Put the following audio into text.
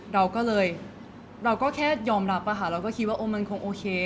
เราก็เลยเราก็แค่ยอมรับอะค่ะเราก็คิดว่ามันคงโอเค